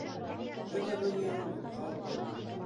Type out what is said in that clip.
Бөтә донъяң нурға урала.